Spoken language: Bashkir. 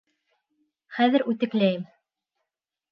Хәҙер үтекләйем.